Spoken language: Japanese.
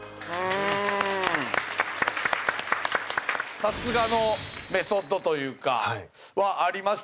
さすがのメソッドというかはありましたよね。